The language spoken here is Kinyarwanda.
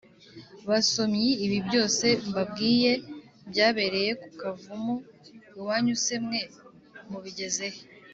basomyi, ibi byose mbabwiye byabereye ku kavumu. iwanyu se mwe mubigeze he?